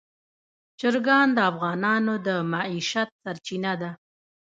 چرګان د افغانانو د معیشت سرچینه ده.